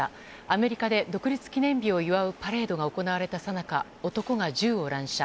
アメリカで独立記念日を祝うパレードが行われたさなか男が銃を乱射。